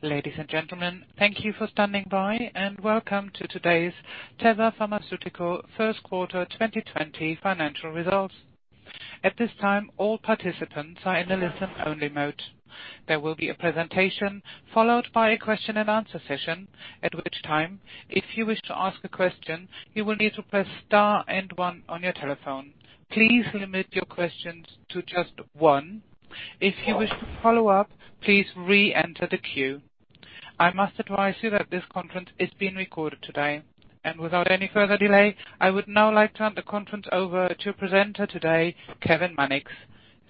Ladies and gentlemen, thank you for standing by, and welcome to today's Teva Pharmaceutical first quarter 2020 financial results. At this time, all participants are in a listen-only mode. There will be a presentation, followed by a Q&A session, at which time, if you wish to ask a question, you will need to press star and one on your telephone. Please limit your questions to just one. If you wish to follow up, please re-enter the queue. I must advise you that this conference is being recorded today. Without any further delay, I would now like to hand the conference over to presenter today, Kevin Mannix,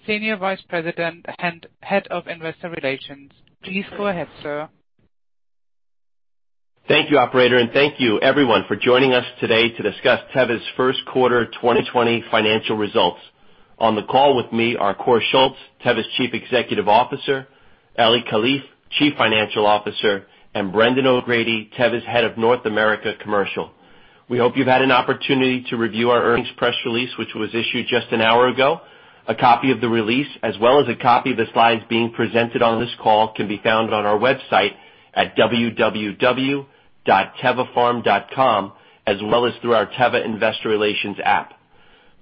Senior Vice President and Head of Investor Relations. Please go ahead, sir. Thank you, operator, and thank you everyone for joining us today to discuss Teva's first quarter 2020 financial results. On the call with me are Kåre Schultz, Teva's Chief Executive Officer, Eli Kalif, Chief Financial Officer, and Brendan O'Grady, Teva's Head of North America Commercial. We hope you've had an opportunity to review our earnings press release, which was issued just an hour ago. A copy of the release, as well as a copy of the slides being presented on this call, can be found on our website at www.tevapharm.com, as well as through our Teva Investor Relations app.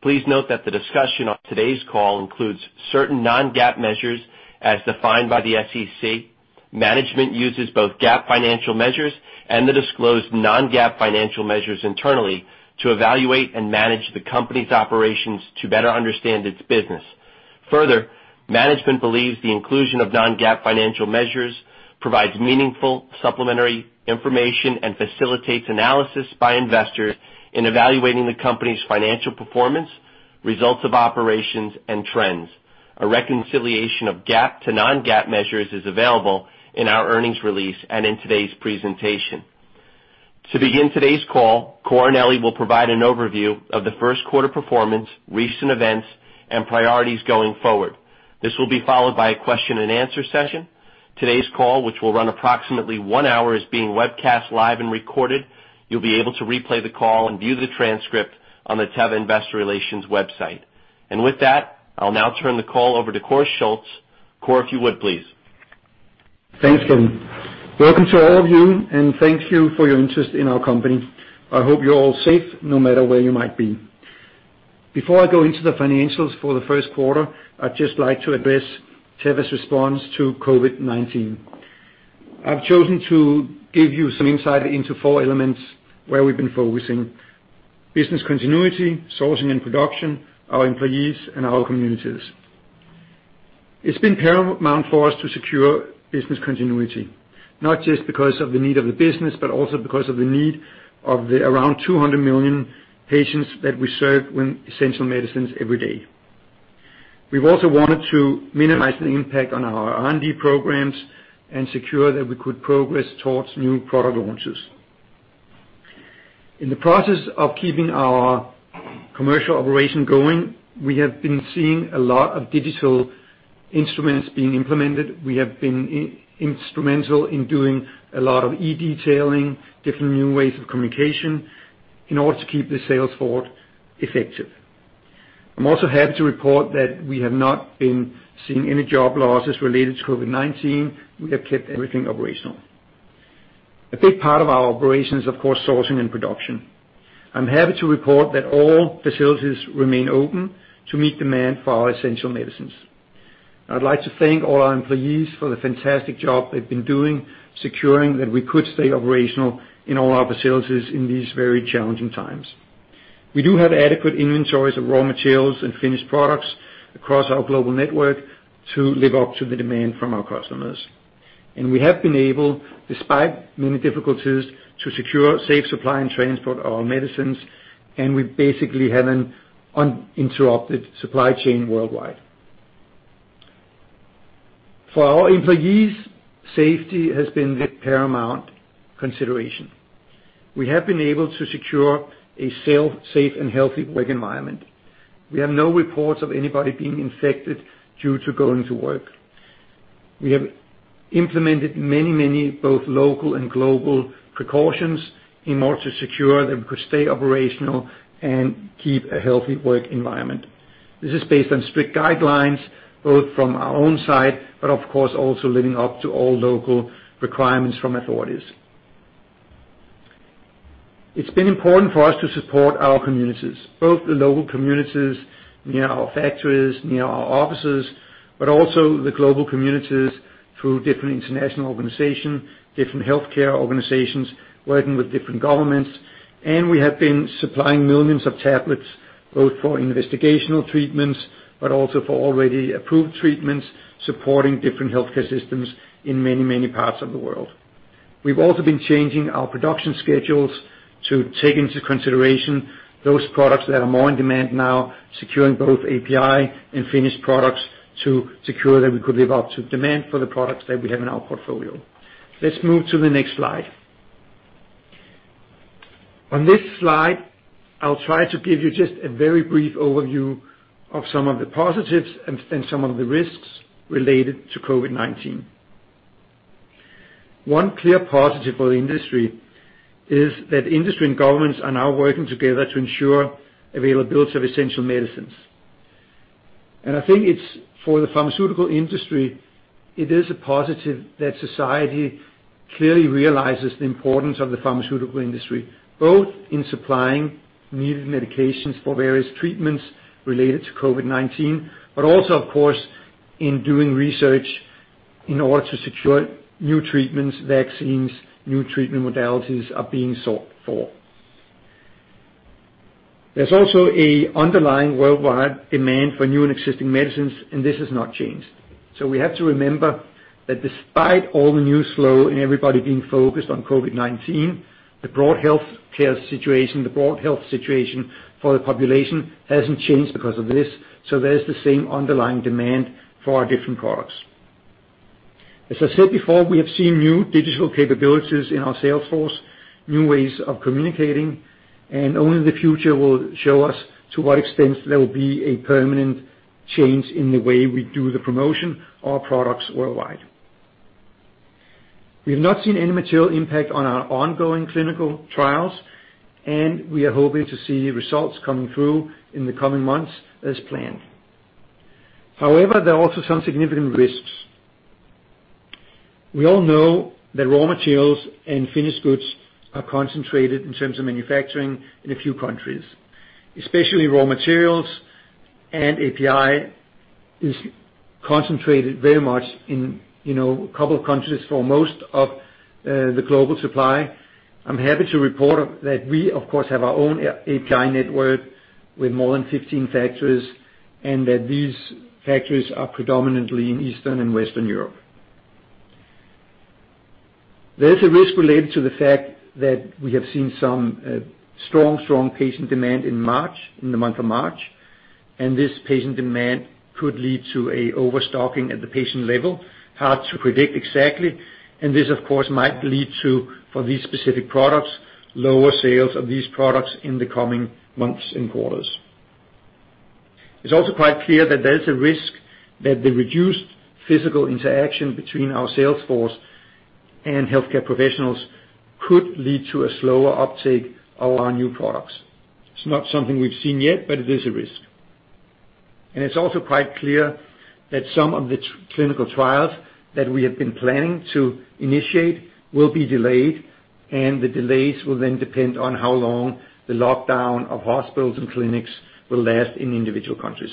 Please note that the discussion on today's call includes certain non-GAAP measures as defined by the SEC. Management uses both GAAP financial measures and the disclosed non-GAAP financial measures internally to evaluate and manage the company's operations to better understand its business. Further, management believes the inclusion of non-GAAP financial measures provides meaningful supplementary information and facilitates analysis by investors in evaluating the company's financial performance, results of operations, and trends. A reconciliation of GAAP to non-GAAP measures is available in our earnings release and in today's presentation. To begin today's call, Kåre and Eli will provide an overview of the first quarter performance, recent events, and priorities going forward. This will be followed by a Q&A session. Today's call, which will run approximately one hour, is being webcast live and recorded. You'll be able to replay the call and view the transcript on the Teva Investor Relations website. I'll now turn the call over to Kåre Schultz. Kåre, if you would please. Thanks, Kevin. Welcome to all of you, and thank you for your interest in our company. I hope you're all safe, no matter where you might be. Before I go into the financials for the first quarter, I'd just like to address Teva's response to COVID-19. I've chosen to give you some insight into four elements where we've been focusing: business continuity, sourcing and production, our employees, and our communities. It's been paramount for us to secure business continuity, not just because of the need of the business, but also because of the need of the around 200 million patients that we serve with essential medicines every day. We've also wanted to minimize the impact on our R&D programs and secure that we could progress towards new product launches. In the process of keeping our commercial operation going, we have been seeing a lot of digital instruments being implemented. We have been instrumental in doing a lot of e-detailing, different new ways of communication in order to keep the sales force effective. I'm also happy to report that we have not been seeing any job losses related to COVID-19. We have kept everything operational. A big part of our operation is, of course, sourcing and production. I'm happy to report that all facilities remain open to meet demand for our essential medicines. I'd like to thank all our employees for the fantastic job they've been doing, securing that we could stay operational in all our facilities in these very challenging times. We do have adequate inventories of raw materials and finished products across our global network to live up to the demand from our customers. We have been able, despite many difficulties, to secure safe supply and transport of our medicines, and we basically have an uninterrupted supply chain worldwide. For our employees, safety has been the paramount consideration. We have been able to secure a safe and healthy work environment. We have no reports of anybody being infected due to going to work. We have implemented many both local and global precautions in order to secure that we could stay operational and keep a healthy work environment. This is based on strict guidelines, both from our own side, but of course, also living up to all local requirements from authorities. It's been important for us to support our communities, both the local communities near our factories, near our offices, also the global communities through different international organizations, different healthcare organizations, working with different governments. We have been supplying millions of tablets, both for investigational treatments, but also for already approved treatments, supporting different healthcare systems in many parts of the world. We've also been changing our production schedules to take into consideration those products that are more in demand now, securing both API and finished products to secure that we could live up to demand for the products that we have in our portfolio. Let's move to the next slide. On this slide, I'll try to give you just a very brief overview of some of the positives and some of the risks related to COVID-19. One clear positive for the industry is that industry and governments are now working together to ensure availability of essential medicines. I think it's for the pharmaceutical industry, it is a positive that society clearly realizes the importance of the pharmaceutical industry, both in supplying needed medications for various treatments related to COVID-19, but also, of course, in doing research in order to secure new treatments, vaccines, new treatment modalities are being sought for. There's also a underlying worldwide demand for new and existing medicines, and this has not changed. We have to remember that despite all the news flow and everybody being focused on COVID-19, the broad healthcare situation, the broad health situation for the population hasn't changed because of this. There's the same underlying demand for our different products. As I said before, we have seen new digital capabilities in our sales force, new ways of communicating, and only the future will show us to what extent there will be a permanent change in the way we do the promotion of our products worldwide. We have not seen any material impact on our ongoing clinical trials, and we are hoping to see results coming through in the coming months as planned. There are also some significant risks. We all know that raw materials and finished goods are concentrated in terms of manufacturing in a few countries, especially raw materials and API is concentrated very much in a couple of countries for most of the global supply. I'm happy to report that we, of course, have our own API network with more than 15 factories, and that these factories are predominantly in Eastern and Western Europe. There's a risk related to the fact that we have seen some strong patient demand in March, in the month of March, and this patient demand could lead to an overstocking at the patient level. Hard to predict exactly, and this, of course, might lead to, for these specific products, lower sales of these products in the coming months and quarters. It's also quite clear that there's a risk that the reduced physical interaction between our sales force and healthcare professionals could lead to a slower uptake of our new products. It's not something we've seen yet, but it is a risk. It's also quite clear that some of the clinical trials that we have been planning to initiate will be delayed, and the delays will then depend on how long the lockdown of hospitals and clinics will last in individual countries.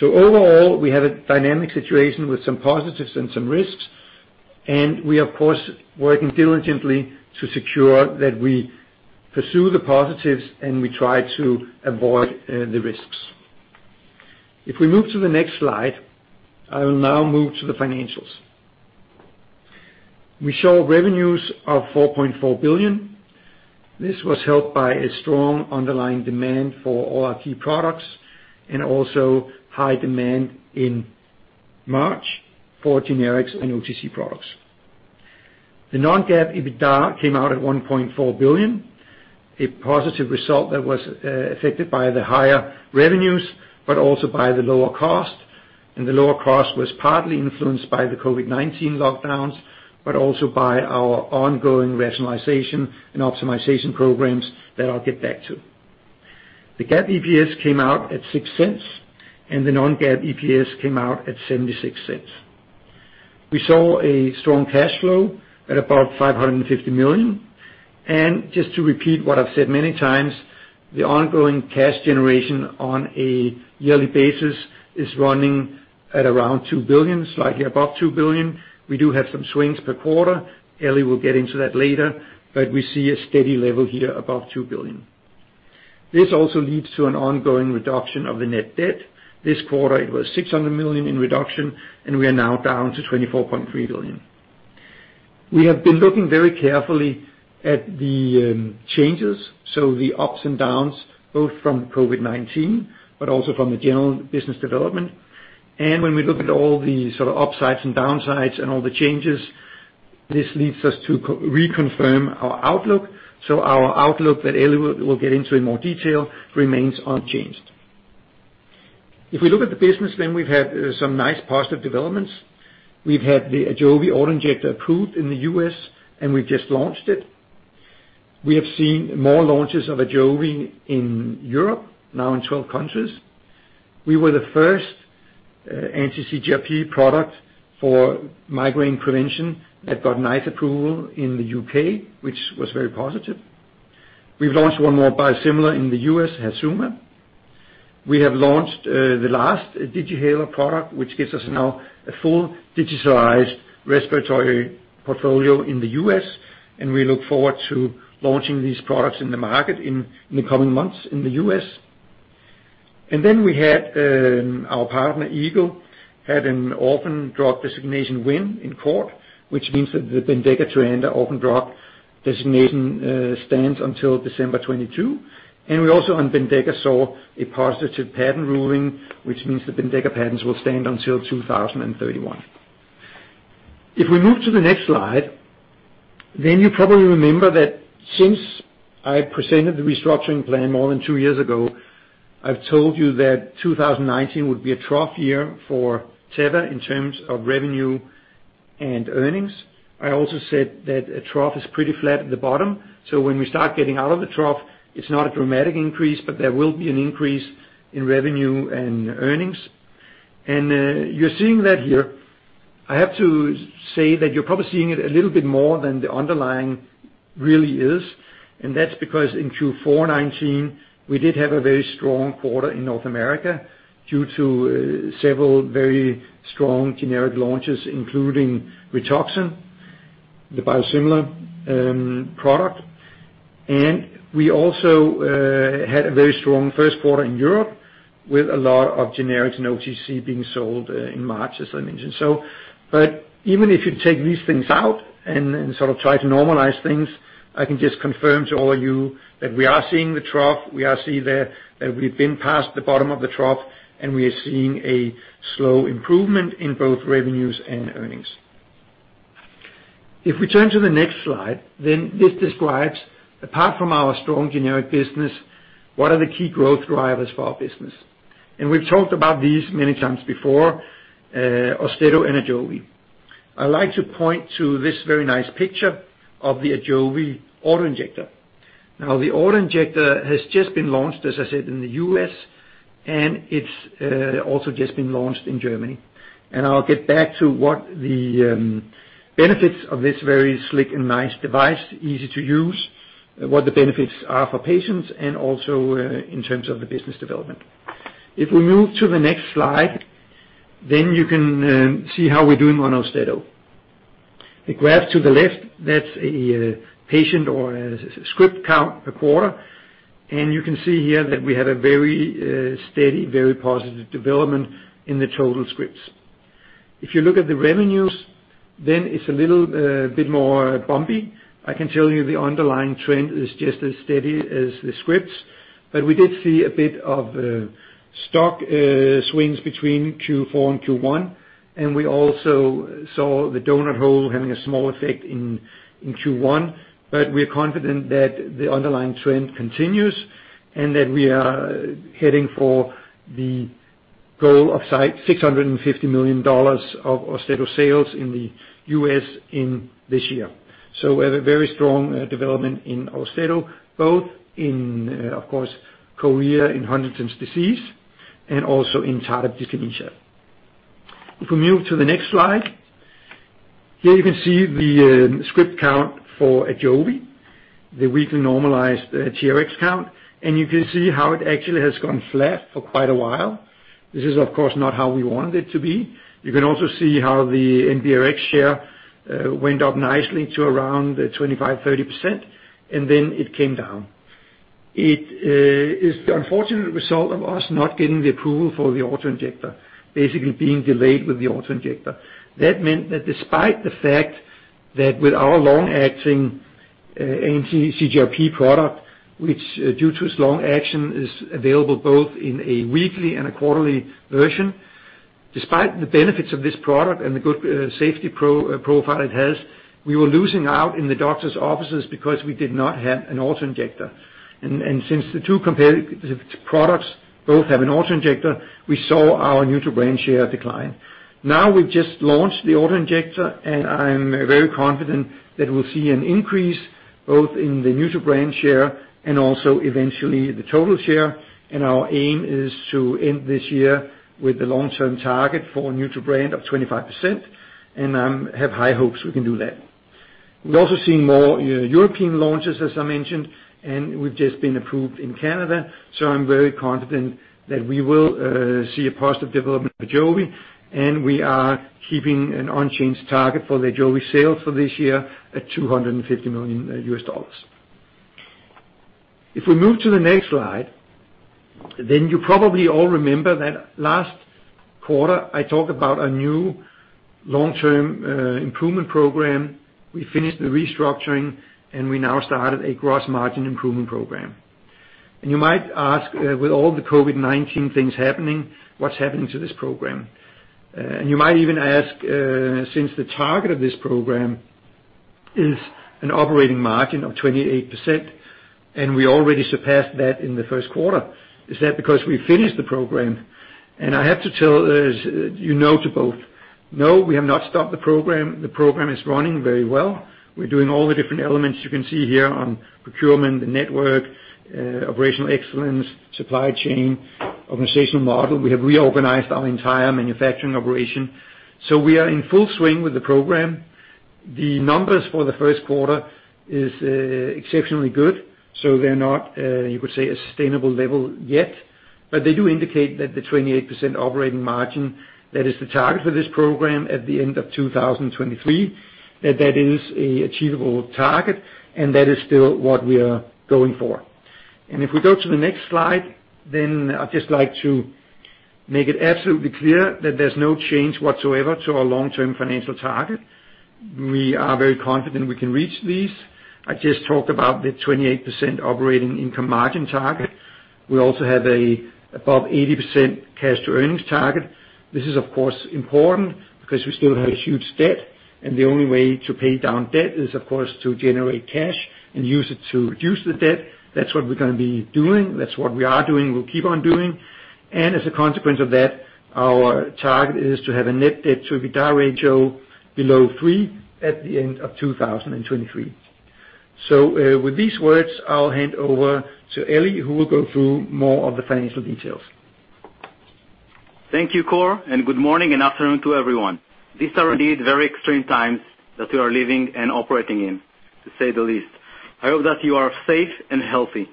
Overall, we have a dynamic situation with some positives and some risks, and we are, of course, working diligently to secure that we pursue the positives, and we try to avoid the risks. If we move to the next slide, I will now move to the financials. We show revenues of $4.4 billion. This was helped by a strong underlying demand for all our key products and also high demand in March for generics and OTC products. The non-GAAP EBITDA came out at $1.4 billion. A positive result that was affected by the higher revenues, but also by the lower cost. The lower cost was partly influenced by the COVID-19 lockdowns, but also by our ongoing rationalization and optimization programs that I'll get back to. The GAAP EPS came out at $0.06, and the non-GAAP EPS came out at $0.76. We saw a strong cash flow at about $550 million. Just to repeat what I've said many times, the ongoing cash generation on a yearly basis is running at around $2 billion, slightly above $2 billion. We do have some swings per quarter. Eli will get into that later, but we see a steady level here above $2 billion. This also leads to an ongoing reduction of the net debt. This quarter it was $600 million in reduction, and we are now down to $24.3 billion. We have been looking very carefully at the changes. The ups and downs, both from COVID-19, but also from the general business development. When we look at all the sort of upsides and downsides and all the changes, this leads us to reconfirm our outlook. Our outlook that Eli will get into in more detail remains unchanged. If we look at the business, we've had some nice positive developments. We've had the AJOVY autoinjector approved in the U.S., and we've just launched it. We have seen more launches of AJOVY in Europe, now in 12 countries. We were the first anti-CGRP product for migraine prevention that got NICE approval in the U.K., which was very positive. We've launched one more biosimilar in the U.S., HERZUMA. We have launched the last Digihaler product, which gives us now a full digitalized respiratory portfolio in the U.S., and we look forward to launching these products in the market in the coming months in the U.S. We had our partner, Eagle, had an orphan drug designation win in court, which means that the BENDEKA to end orphan drug designation stands until December 2022. We also, on BENDEKA, saw a positive patent ruling, which means the BENDEKA patents will stand until 2031. We move to the next slide, you probably remember that since I presented the restructuring plan more than two years ago, I've told you that 2019 would be a trough year for Teva in terms of revenue and earnings. I also said that a trough is pretty flat at the bottom, so when we start getting out of the trough, it's not a dramatic increase, but there will be an increase in revenue and earnings. You're seeing that here. I have to say that you're probably seeing it a little bit more than the underlying really is. That's because in Q4 2019, we did have a very strong quarter in North America due to several very strong generic launches, including TRUXIMA, the biosimilar end product. We also had a very strong first quarter in Europe with a lot of generics and OTC being sold in March, as I mentioned. Even if you take these things out and sort of try to normalize things, I can just confirm to all of you that we are seeing the trough. We are seeing that we've been past the bottom of the trough, and we are seeing a slow improvement in both revenues and earnings. If we turn to the next slide, then this describes, apart from our strong generic business, what are the key growth drivers for our business. We've talked about these many times before, AUSTEDO and AJOVY. I like to point to this very nice picture of the AJOVY auto-injector. Now, the auto-injector has just been launched, as I said, in the U.S., and it's also just been launched in Germany. I'll get back to what the benefits of this very slick and nice device, easy to use, what the benefits are for patients, and also in terms of the business development. We move to the next slide, you can see how we're doing on AUSTEDO. The graph to the left, that's a patient or a script count per quarter. You can see here that we have a very steady, very positive development in the total scripts. You look at the revenues, it's a little bit more bumpy. I can tell you the underlying trend is just as steady as the scripts, but we did see a bit of stock swings between Q4 and Q1, and we also saw the donut hole having a small effect in Q1. We are confident that the underlying trend continues and that we are heading for the goal of $650 million of AUSTEDO sales in the U.S. in this year. We have a very strong development in AUSTEDO, both in, of course, chorea in Huntington's disease and also in Tardive dyskinesia. If we move to the next slide. Here you can see the script count for AJOVY, the weekly normalized TRx count, and you can see how it actually has gone flat for quite a while. This is, of course, not how we want it to be. You can also see how the NBRx share went up nicely to around 25%-30%, and then it came down. It is the unfortunate result of us not getting the approval for the auto-injector. Basically being delayed with the auto-injector. That meant that despite the fact that with our long-acting anti-CGRP product, which, due to its long action, is available both in a weekly and a quarterly version. Despite the benefits of this product and the good safety profile it has, we were losing out in the doctor's offices because we did not have an auto-injector. Since the two competitive products both have an auto-injector, we saw our new to brand share decline. Now we've just launched the auto-injector, and I'm very confident that we'll see an increase both in the new to brand share and also eventually the total share. Our aim is to end this year with the long-term target for new to brand of 25%, and I have high hopes we can do that. We've also seen more European launches, as I mentioned, and we've just been approved in Canada. I'm very confident that we will see a positive development of AJOVY, and we are keeping an unchanged target for the AJOVY sales for this year at $250 million. If we move to the next slide, you probably all remember that last quarter I talked about a new long-term improvement program. We finished the restructuring and we now started a gross margin improvement program. You might ask, with all the COVID-19 things happening, what's happening to this program? You might even ask, since the target of this program is an operating margin of 28%, and we already surpassed that in the first quarter, is that because we finished the program? I have to tell you no to both. No, we have not stopped the program. The program is running very well. We're doing all the different elements you can see here on procurement, the network, operational excellence, supply chain, organizational model. We have reorganized our entire manufacturing operation. We are in full swing with the program. The numbers for the first quarter is exceptionally good. They're not, you could say, a sustainable level yet, but they do indicate that the 28% operating margin, that is the target for this program at the end of 2023, that that is a achievable target, and that is still what we are going for. If we go to the next slide, I'd just like to make it absolutely clear that there's no change whatsoever to our long-term financial target. We are very confident we can reach these. I just talked about the 28% operating income margin target. We also have above 80% cash to earnings target. This is of course important because we still have a huge debt, and the only way to pay down debt is of course to generate cash and use it to reduce the debt. That's what we're going to be doing. That's what we are doing. We'll keep on doing. As a consequence of that, our target is to have a net debt to EBITDA ratio below three at the end of 2023. With these words, I'll hand over to Eli, who will go through more of the financial details. Thank you, Kåre, good morning and afternoon to everyone. These are indeed very extreme times that we are living and operating in, to say the least. I hope that you are safe and healthy.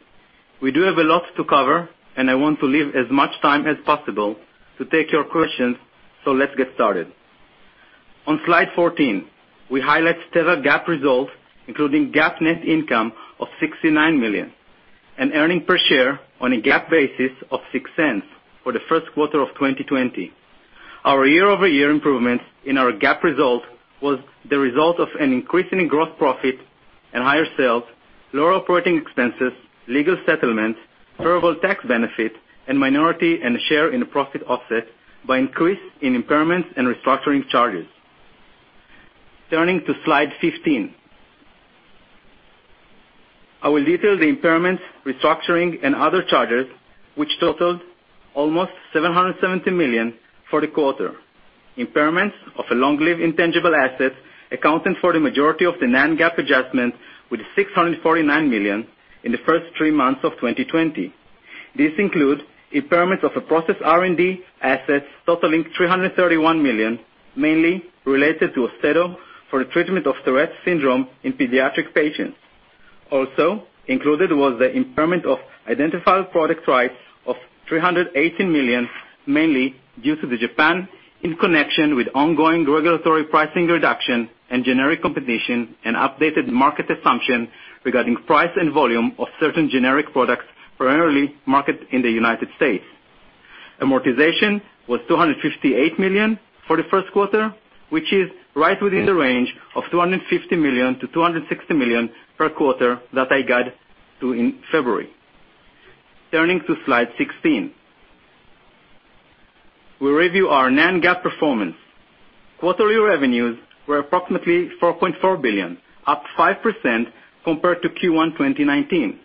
We do have a lot to cover. I want to leave as much time as possible to take your questions. Let's get started. On slide 14, we highlight Teva GAAP results, including GAAP net income of $69 million and earnings per share on a GAAP basis of $0.06 for the first quarter of 2020. Our year-over-year improvements in our GAAP result was the result of an increase in gross profit and higher sales, lower operating expenses, legal settlements, favorable tax benefits, and minority and share in profit offset by increase in impairments and restructuring charges. Turning to slide 15. I will detail the impairments, restructuring, and other charges, which totaled almost $770 million for the quarter. Impairments of a long-lived intangible asset accounting for the majority of the non-GAAP adjustments with $649 million in the first three months of 2020. This includes impairments of a process R&D asset totaling $331 million, mainly related to AUSTEDO for the treatment of Tourette's syndrome in pediatric patients. Also included was the impairment of identifiable product rights of $318 million, mainly due to the Japan in connection with ongoing regulatory pricing reduction and generic competition and updated market assumption regarding price and volume of certain generic products primarily marketed in the U.S. Amortization was $258 million for the first quarter, which is right within the range of $250 million-$260 million per quarter that I guided to in February. Turning to slide 16. We review our non-GAAP performance. Quarterly revenues were approximately $4.4 billion, up 5% compared to Q1 2019.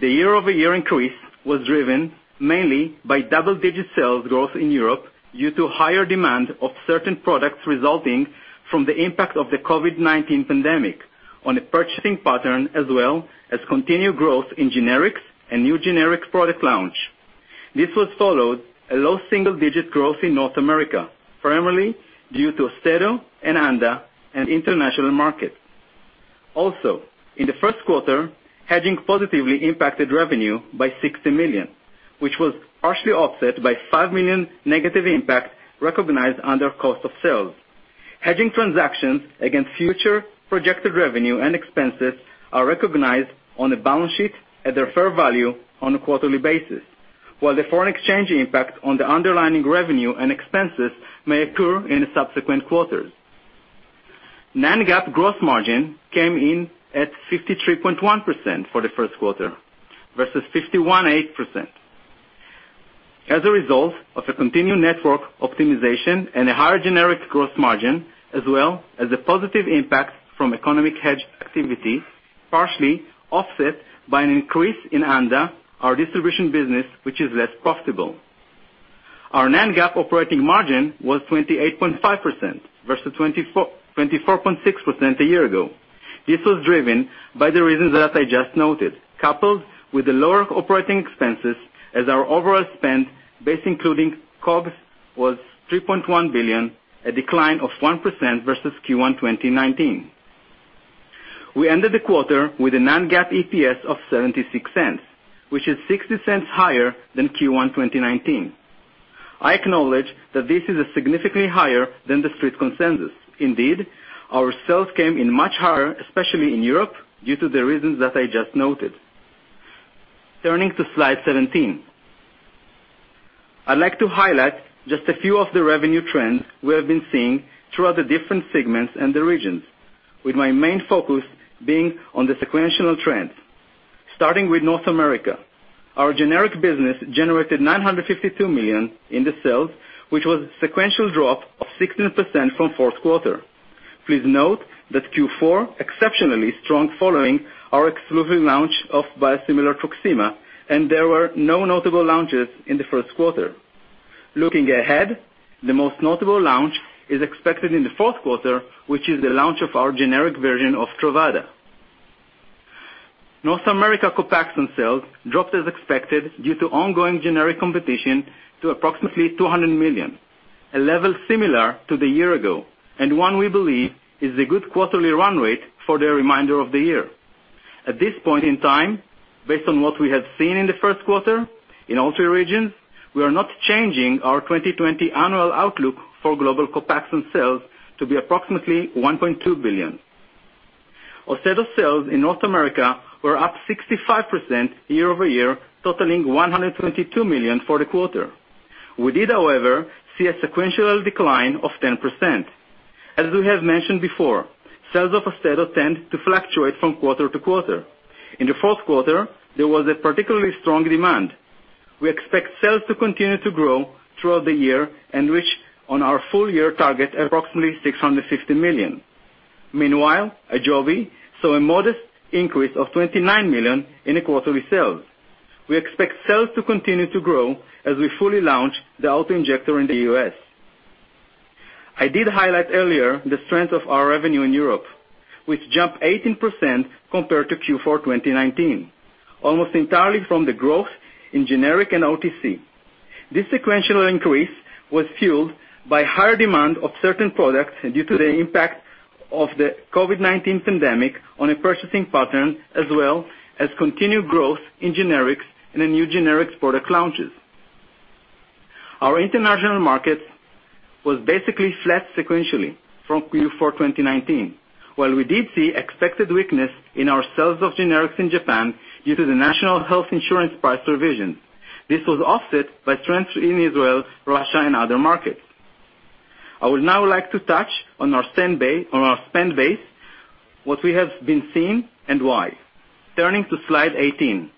The year-over-year increase was driven mainly by double-digit sales growth in Europe due to higher demand of certain products resulting from the impact of the COVID-19 pandemic on the purchasing pattern, as well as continued growth in generics and new generic product launch. This was followed a low double-digit growth in North America, primarily due to AUSTEDO and ANDA and international markets. In the first quarter, hedging positively impacted revenue by $60 million, which was partially offset by $5 million negative impact recognized under cost of sales. Hedging transactions against future projected revenue and expenses are recognized on the balance sheet at their fair value on a quarterly basis. While the foreign exchange impact on the underlying revenue and expenses may occur in subsequent quarters. Non-GAAP gross margin came in at 53.1% for the first quarter versus 51.8%. As a result of a continued network optimization and a higher generic gross margin, as well as a positive impact from economic hedge activity, partially offset by an increase in Anda, our distribution business, which is less profitable. Our non-GAAP operating margin was 28.5% versus 24.6% a year ago. This was driven by the reasons that I just noted, coupled with the lower operating expenses as our overall spend, base including COGS, was $3.1 billion, a decline of 1% versus Q1 2019. We ended the quarter with a non-GAAP EPS of $0.76, which is $0.60 higher than Q1 2019. I acknowledge that this is significantly higher than the street consensus. Our sales came in much higher, especially in Europe, due to the reasons that I just noted. Turning to slide 17. I'd like to highlight just a few of the revenue trends we have been seeing throughout the different segments and the regions, with my main focus being on the sequential trends. Starting with North America, our generic business generated $952 million in the sales, which was a sequential drop of 16% from fourth quarter. Please note that Q4 exceptionally strong following our exclusive launch of biosimilar TRUXIMA, there were no notable launches in the first quarter. Looking ahead, the most notable launch is expected in the fourth quarter, which is the launch of our generic version of TRUVADA. North America COPAXONE sales dropped as expected due to ongoing generic competition to approximately $200 million, a level similar to the year-ago, and one we believe is a good quarterly run rate for the remainder of the year. At this point in time, based on what we have seen in the first quarter in all three regions, we are not changing our 2020 annual outlook for global COPAXONE sales to be approximately $1.2 billion. AUSTEDO sales in North America were up 65% year-over-year, totaling $122 million for the quarter. We did, however, see a sequential decline of 10%. As we have mentioned before, sales of AUSTEDO tend to fluctuate from quarter to quarter. In the fourth quarter, there was a particularly strong demand. We expect sales to continue to grow throughout the year and reach on our full-year target approximately $650 million. Meanwhile, AJOVY saw a modest increase of $29 million in quarterly sales. We expect sales to continue to grow as we fully launch the auto-injector in the U.S. I did highlight earlier the strength of our revenue in Europe, which jumped 18% compared to Q4 2019, almost entirely from the growth in generic and OTC. This sequential increase was fueled by higher demand of certain products due to the impact of the COVID-19 pandemic on a purchasing pattern, as well as continued growth in generics and in new generics product launches. Our international markets was basically flat sequentially from Q4 2019. While we did see expected weakness in our sales of generics in Japan due to the national health insurance price revision, this was offset by strength in Israel, Russia, and other markets. I would now like to touch on our spend base, what we have been seeing, and why. Turning to slide 18.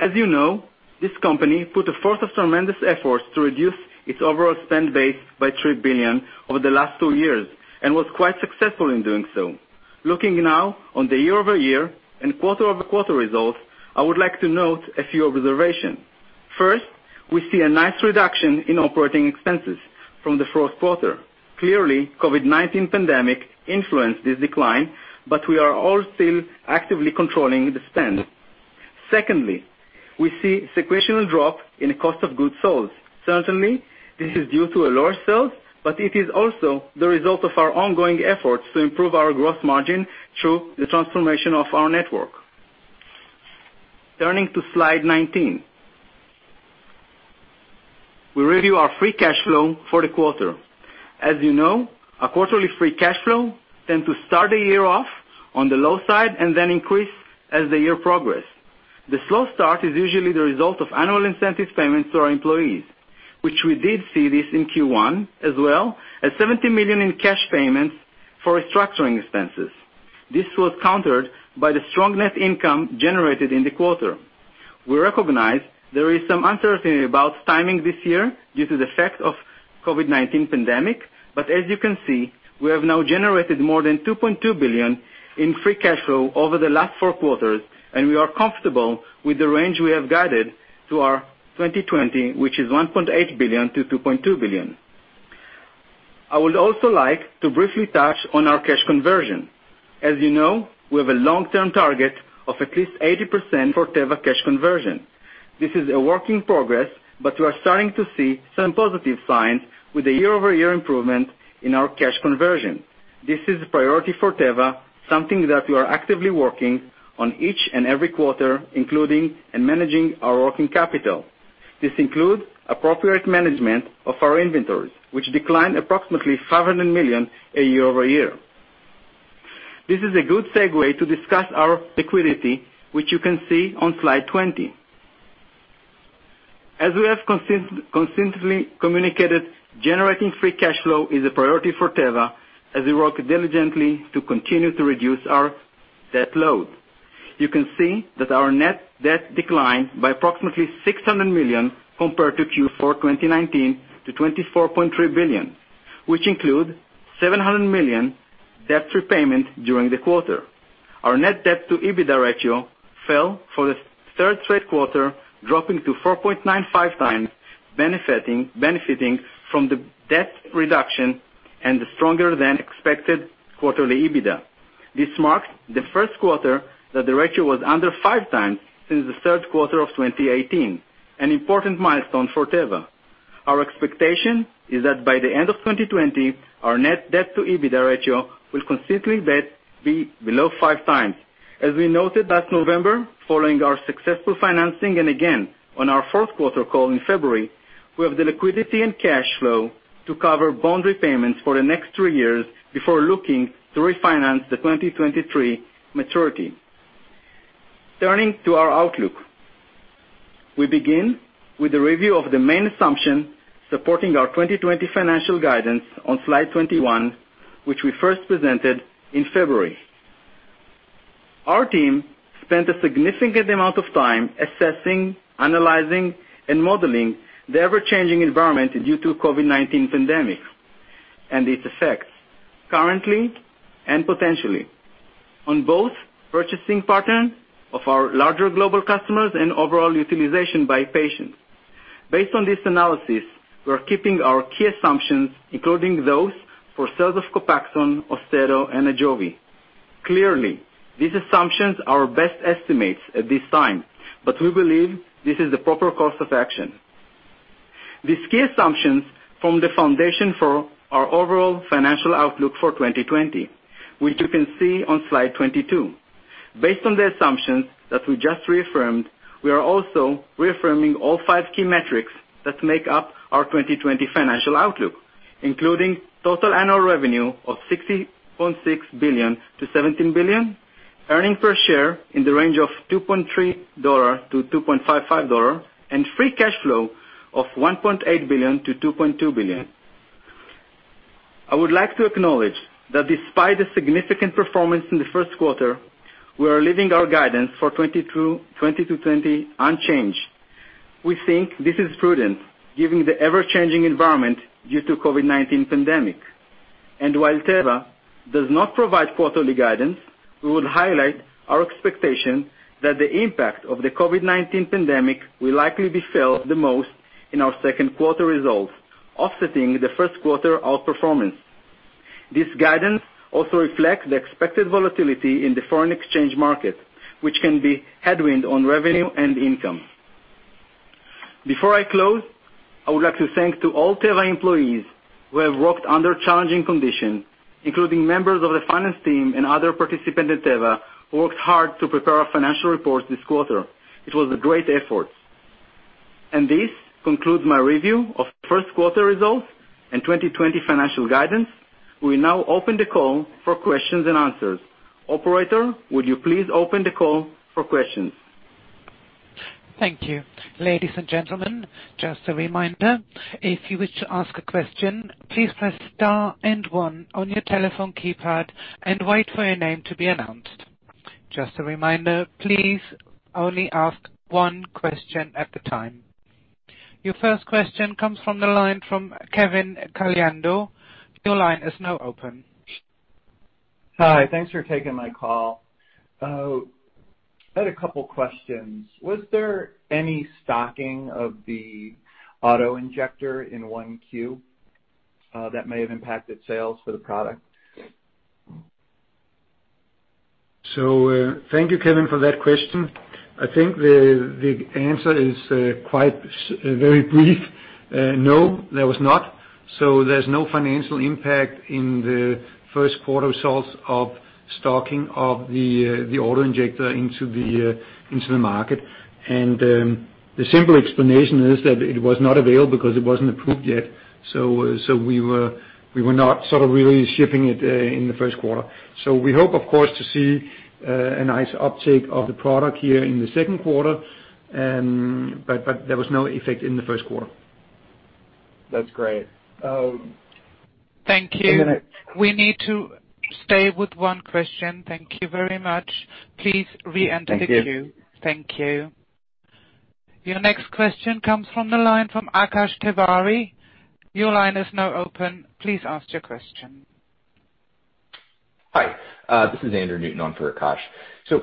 As you know, this company put forth a tremendous effort to reduce its overall spend base by $3 billion over the last two years, and was quite successful in doing so. Looking now on the year-over-year and quarter-over-quarter results, I would like to note a few observations. First, we see a nice reduction in operating expenses from the fourth quarter. Clearly, COVID-19 pandemic influenced this decline, but we are all still actively controlling the spend. Secondly, we see sequential drop in the cost of goods sold. Certainly, this is due to lower sales, but it is also the result of our ongoing efforts to improve our gross margin through the transformation of our network. Turning to slide 19. We review our free cash flow for the quarter. As you know, our quarterly free cash flow tends to start the year off on the low side and then increase as the year progresses. The slow start is usually the result of annual incentive payments to our employees, which we did see this in Q1, as well as $70 million in cash payments for restructuring expenses. This was countered by the strong net income generated in the quarter. We recognize there is some uncertainty about timing this year due to the effect of COVID-19 pandemic. As you can see, we have now generated more than $2.2 billion in free cash flow over the last four quarters, and we are comfortable with the range we have guided to our 2020, which is $1.8 billion-$2.2 billion. I would also like to briefly touch on our cash conversion. As you know, we have a long-term target of at least 80% for Teva cash conversion. This is a work in progress. We are starting to see some positive signs with the year-over-year improvement in our cash conversion. This is a priority for Teva, something that we are actively working on each and every quarter, including in managing our working capital. This includes appropriate management of our inventories, which declined approximately $500 million year-over-year. This is a good segue to discuss our liquidity, which you can see on slide 20. As we have consistently communicated, generating free cash flow is a priority for Teva as we work diligently to continue to reduce our debt load. You can see that our net debt declined by approximately $600 million compared to Q4 2019 to $24.3 billion, which include $700 million debt repayment during the quarter. Our net debt to EBITDA ratio fell for the third straight quarter, dropping to 4.95x, benefiting from the debt reduction and the stronger than expected quarterly EBITDA. This marks the first quarter that the ratio was under five times since the third quarter of 2018, an important milestone for Teva. Our expectation is that by the end of 2020, our net debt to EBITDA ratio will consistently be below 5x. As we noted last November, following our successful financing, and again on our fourth quarter call in February, we have the liquidity and cash flow to cover bond repayments for the next three years before looking to refinance the 2023 maturity. Turning to our outlook. We begin with a review of the main assumption supporting our 2020 financial guidance on slide 21, which we first presented in February. Our team spent a significant amount of time assessing, analyzing, and modeling the ever-changing environment due to COVID-19 pandemic and its effects, currently and potentially, on both purchasing pattern of our larger global customers and overall utilization by patients. Based on this analysis, we are keeping our key assumptions, including those for sales of COPAXONE, AUSTEDO, and AJOVY. Clearly, these assumptions are our best estimates at this time, but we believe this is the proper course of action. These key assumptions form the foundation for our overall financial outlook for 2020, which you can see on slide 22. Based on the assumptions that we just reaffirmed, we are also reaffirming all five key metrics that make up our 2020 financial outlook, including total annual revenue of $16.6 billion-$17 billion, earnings per share in the range of $2.30-$2.55, and free cash flow of $1.8 billion-$2.2 billion. I would like to acknowledge that despite the significant performance in the first quarter, we are leaving our guidance for 2020 unchanged. We think this is prudent given the ever-changing environment due to COVID-19 pandemic. While Teva does not provide quarterly guidance, we would highlight our expectation that the impact of the COVID-19 pandemic will likely be felt the most in our second quarter results, offsetting the first quarter outperformance. This guidance also reflects the expected volatility in the foreign exchange market, which can be headwind on revenue and income. Before I close, I would like to thank all Teva employees who have worked under challenging conditions, including members of the finance team and other participants at Teva, who worked hard to prepare our financial reports this quarter. It was a great effort. This concludes my review of the first quarter results and 2020 financial guidance. We now open the call for Q&A. Operator, would you please open the call for questions? Thank you. Ladies and gentlemen, just a reminder, if you wish to ask a question, please press star and one on your telephone keypad and wait for your name to be announced. Just a reminder, please only ask one question at a time. Your first question comes from the line from Kevin Caliendo. Your line is now open. Hi. Thanks for taking my call. I had a couple questions. Was there any stocking of the auto-injector in Q1 that may have impacted sales for the product? Thank you, Kevin, for that question. I think the answer is quite very brief. No, there was not. There's no financial impact in the first quarter results of stocking of the auto-injector into the market. The simple explanation is that it was not available because it wasn't approved yet. We were not really shipping it in the first quarter. We hope, of course, to see a nice uptick of the product here in the second quarter, but there was no effect in the first quarter. That's great. Thank you. I'm gonna- We need to stay with one question. Thank you very much. Please reenter- Thank you. the queue. Thank you. Your next question comes from the line from Akash Tewari. Your line is now open. Please ask your question. Hi. This is Andrew Newton on for Akash.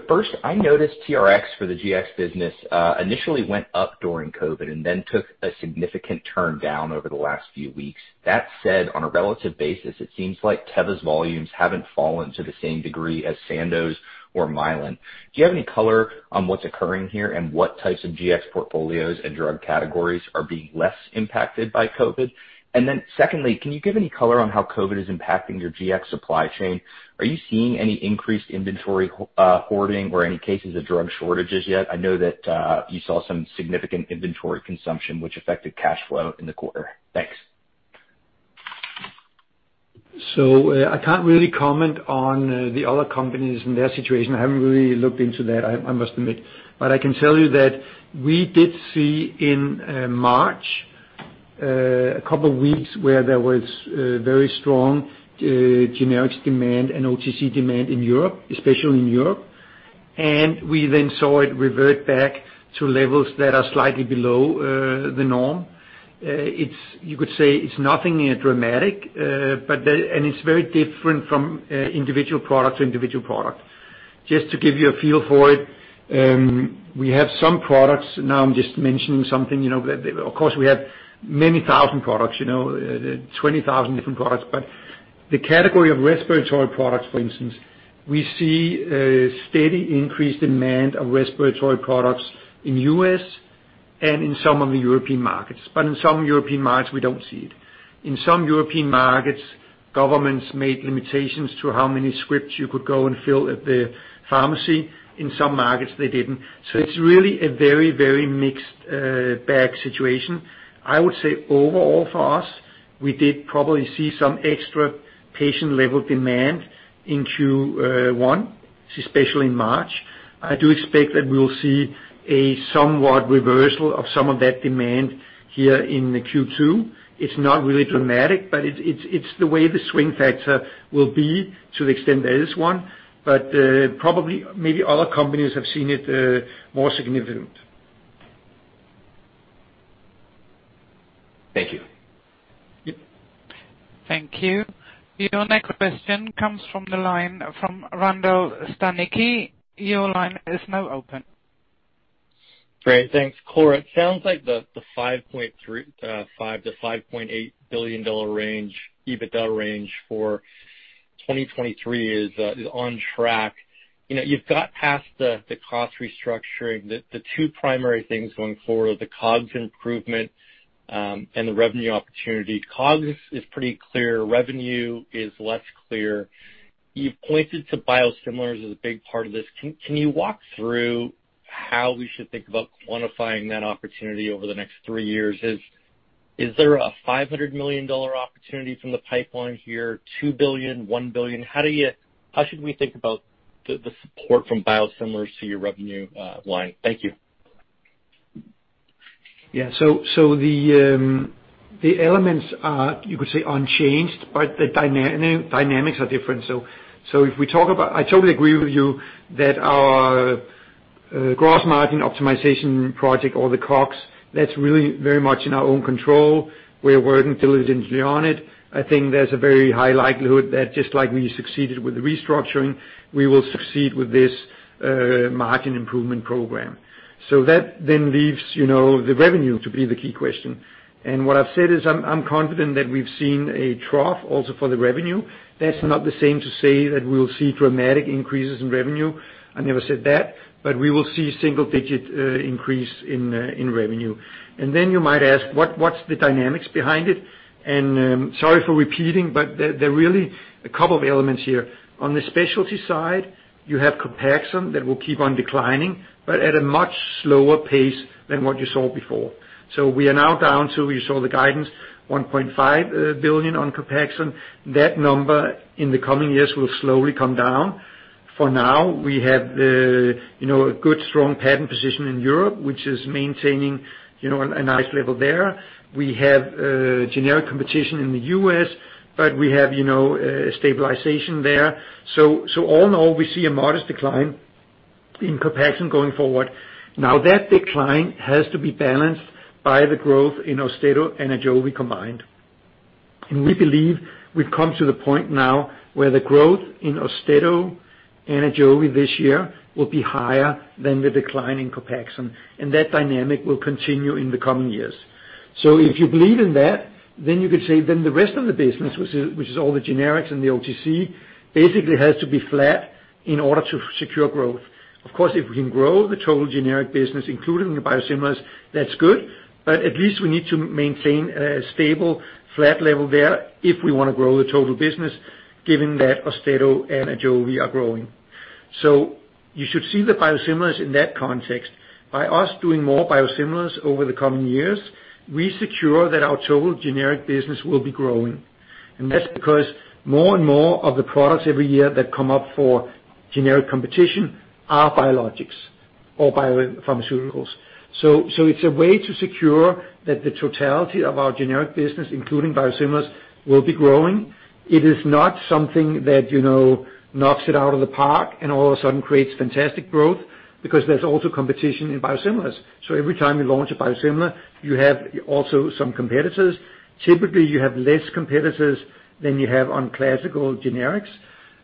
First, I noticed TRx for the Gx business initially went up during COVID and then took a significant turn down over the last few weeks. That said, on a relative basis, it seems like Teva's volumes haven't fallen to the same degree as Sandoz or Mylan. Do you have any color on what's occurring here and what types of Gx portfolios and drug categories are being less impacted by COVID? Secondly, can you give any color on how COVID is impacting your Gx supply chain? Are you seeing any increased inventory hoarding or any cases of drug shortages yet? I know that you saw some significant inventory consumption which affected cash flow in the quarter. Thanks. I can't really comment on the other companies and their situation. I haven't really looked into that, I must admit. I can tell you that we did see in March, a couple of weeks where there was very strong generics demand and OTC demand in Europe, especially in Europe. We then saw it revert back to levels that are slightly below the norm. You could say it's nothing dramatic, and it's very different from individual product to individual product. Just to give you a feel for it, we have some products, now I'm just mentioning something, of course we have many thousand products, 20,000 different products, but the category of respiratory products, for instance, we see a steady increase demand of respiratory products in U.S. and in some of the European markets. In some European markets, we don't see it. In some European markets, governments made limitations to how many scripts you could go and fill at the pharmacy. In some markets, they didn't. It's really a very, very mixed bag situation. I would say overall for us, we did probably see some extra patient level demand in Q1, especially in March. I do expect that we will see a somewhat reversal of some of that demand here in the Q2. It's not really dramatic, but it's the way the swing factor will be to the extent there is one. Probably, maybe other companies have seen it more significant. Thank you. Yep. Thank you. Your next question comes from the line from Randall Stanicky. Your line is now open. Great, thanks. Kåre, it sounds like the $5.5 billion-$5.8 billion range, EBITDA range for 2023 is on track. You've got past the cost restructuring. The two primary things going forward are the COGS improvement and the revenue opportunity. COGS is pretty clear. Revenue is less clear. You've pointed to biosimilars as a big part of this. Can you walk through how we should think about quantifying that opportunity over the next three years? Is there a $500 million opportunity from the pipeline here, $2 billion, $1 billion? How should we think about the support from biosimilars to your revenue line? Thank you. Yeah. The elements are, you could say, unchanged, but the dynamics are different. I totally agree with you that our The gross margin optimization project or the COGS, that's really very much in our own control. We're working diligently on it. I think there's a very high likelihood that just like we succeeded with the restructuring, we will succeed with this margin improvement program. That leaves the revenue to be the key question. What I've said is I'm confident that we've seen a trough also for the revenue. That's not the same to say that we'll see dramatic increases in revenue. I never said that, but we will see single-digit increase in revenue. You might ask, what's the dynamics behind it? Sorry for repeating, but there are really a couple of elements here. On the specialty side, you have COPAXONE that will keep on declining, but at a much slower pace than what you saw before. We are now down to, you saw the guidance, $1.5 billion on COPAXONE. That number in the coming years will slowly come down. For now, we have a good strong patent position in Europe, which is maintaining a nice level there. We have generic competition in the U.S., but we have a stabilization there. All in all, we see a modest decline in COPAXONE going forward. Now that decline has to be balanced by the growth in AUSTEDO and AJOVY combined. We believe we've come to the point now where the growth in AUSTEDO and AJOVY this year will be higher than the decline in COPAXONE, and that dynamic will continue in the coming years. If you believe in that, you could say the rest of the business, which is all the generics and the OTC, basically has to be flat in order to secure growth. Of course, if we can grow the total generic business, including the biosimilars, that's good, but at least we need to maintain a stable flat level there if we want to grow the total business, given that AUSTEDO and AJOVY are growing. You should see the biosimilars in that context. By us doing more biosimilars over the coming years, we secure that our total generic business will be growing. That's because more and more of the products every year that come up for generic competition are biologics or biopharmaceuticals. It's a way to secure that the totality of our generic business, including biosimilars, will be growing. It is not something that knocks it out of the park and all of a sudden creates fantastic growth because there is also competition in biosimilars. Every time you launch a biosimilar, you have also some competitors. Typically, you have less competitors than you have on classical generics.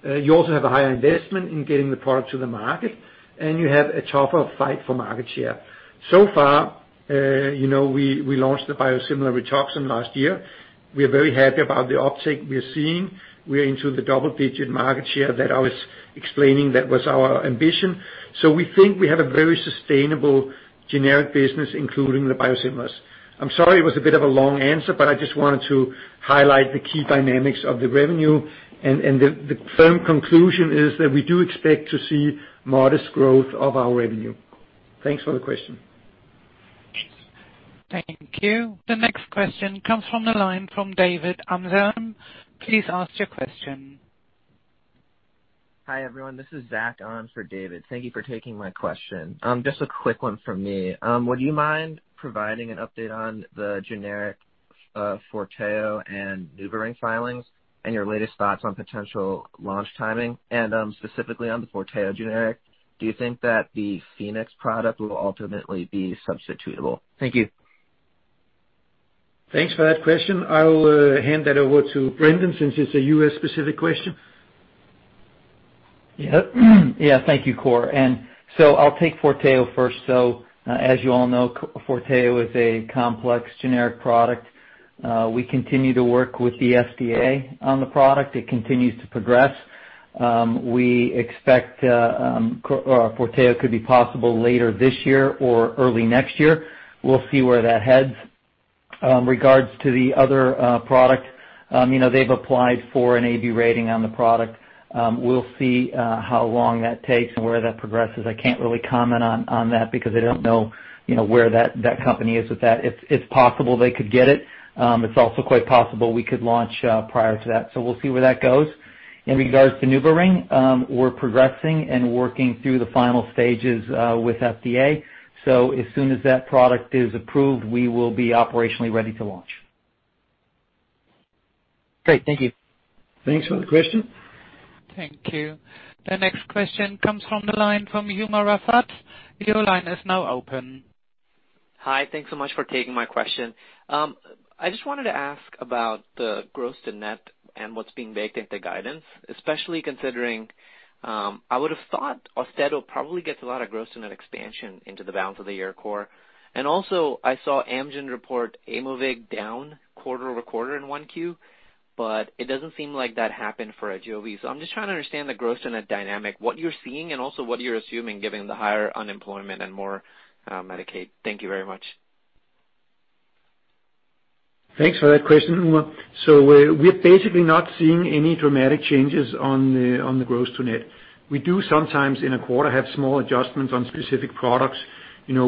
You also have a higher investment in getting the product to the market, and you have a tougher fight for market share. We launched the biosimilar Rituxan last year. We are very happy about the uptake we are seeing. We are into the double-digit market share that I was explaining that was our ambition. We think we have a very sustainable generic business, including the biosimilars. I'm sorry it was a bit of a long answer, but I just wanted to highlight the key dynamics of the revenue and the firm conclusion is that we do expect to see modest growth of our revenue. Thanks for the question. Thank you. The next question comes from the line from David Amsellem. Please ask your question. Hi, everyone. This is Zach on for David. Thank you for taking my question. Just a quick one from me. Would you mind providing an update on the generic FORTEO and NuvaRing filings and your latest thoughts on potential launch timing? Specifically on the FORTEO generic, do you think that the Phoenix product will ultimately be substitutable? Thank you. Thanks for that question. I will hand that over to Brendan since it's a U.S.-specific question. Yeah. Thank you, Kåre. I'll take FORTEO first. As you all know, FORTEO is a complex generic product. We continue to work with the FDA on the product. It continues to progress. We expect FORTEO could be possible later this year or early next year. We'll see where that heads. In regards to the other product, they've applied for an AB rating on the product. We'll see how long that takes and where that progresses. I can't really comment on that because I don't know where that company is with that. It's possible they could get it. It's also quite possible we could launch prior to that. We'll see where that goes. In regards to NuvaRing, we're progressing and working through the final stages with FDA. As soon as that product is approved, we will be operationally ready to launch. Great. Thank you. Thanks for the question. Thank you. The next question comes from the line from Umer Raffat. Your line is now open. Hi. Thanks so much for taking my question. I just wanted to ask about the gross to net and what's being baked into guidance, especially considering, I would have thought AUSTEDO probably gets a lot of gross to net expansion into the balance of the year, Kåre. Also, I saw Amgen report Aimovig down quarter-over-quarter in one Q, it doesn't seem like that happened for AJOVY. I'm just trying to understand the gross to net dynamic, what you're seeing, and also what you're assuming given the higher unemployment and more Medicaid. Thank you very much. Thanks for that question, Umer. We're basically not seeing any dramatic changes on the gross to net. We do sometimes in a quarter have small adjustments on specific products